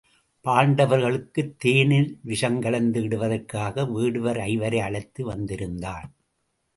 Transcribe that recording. பாண்டவர்க்குத் தேனில் விஷம் கலந்து இடுவதற்காக வேடுவர் ஐவரை அழைத்து வந்திருந்தான்.